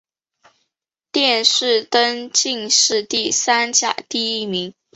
殿试登进士第三甲第一名。